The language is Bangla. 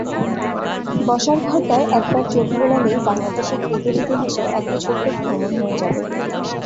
বসার ঘরটায় একবার চোখ বোলালেই বাংলাদেশের ক্রিকেট ইতিহাসে একটা ছোট্ট ভ্রমণ হয়ে যাবে।